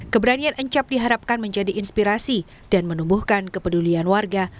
keberanian encap diharapkan menjadi inspirasi dan menumbuhkan kepedulian warga